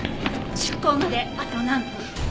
出港まであと何分？